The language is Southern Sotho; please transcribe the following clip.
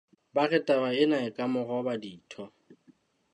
Ba re taba ena e ka mo roba ditho.